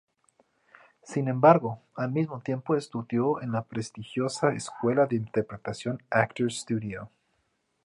Sin embargo, al mismo tiempo estudió en la prestigiosa escuela de interpretación Actor's Studio.